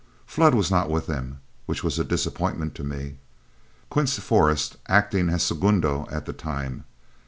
Flood was not with them, which was a disappointment to me, "Quince" Forrest acting as segundo at the time.